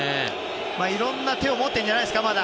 いろんな手を持っているんじゃないんですか、まだ。